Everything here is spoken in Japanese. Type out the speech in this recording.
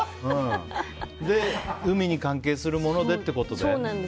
海に関係するものでってことで？